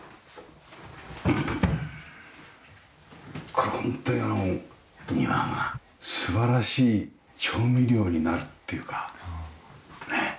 これホントに庭が素晴らしい調味料になるっていうかねえ。